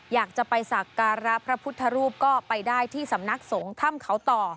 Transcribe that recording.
อยากจะไปสักการะพระพุทธรูปก็ไปได้ที่สำนักสงฆ์ถ้ำเขาต่อ